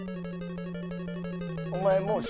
お前もう。